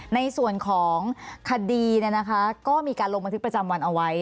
ในส่วนของคดีก็มีการลงบันทึกประจำวันเอาไว้